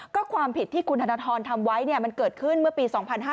ก็ความผิดที่คุณธนทรทำไว้มันเกิดขึ้นเมื่อปี๒๕๕๙